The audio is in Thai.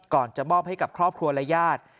จะมอบให้กับครอบครัวและญาติ